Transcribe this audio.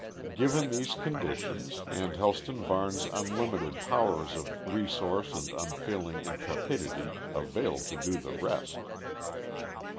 Given these conditions, and Helston Varne's unlimited powers of resource and unfailing intrepidity availed to do the rest.